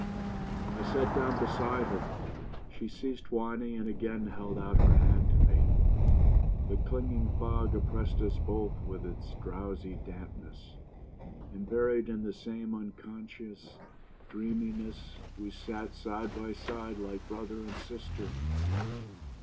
I sat down beside her ; she ceased whining, and again held out her hand to me. The clinging fog oppressed us both with its drowsy dampness ; and buried in the same un 318 POEMS IN PROSE conscious dreaminess, we sat side by side like brother and sister.